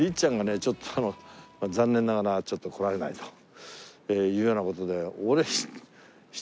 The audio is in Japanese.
ちょっと残念ながらちょっと来られないというような事で俺。